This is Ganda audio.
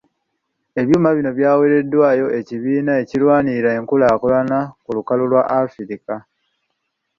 Ebyuma bino byaweereddwayo Ekibiina ekirwanirira enkulaakulana ku lukalu lwa Africa.